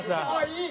いい！